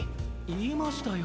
いいましたよ。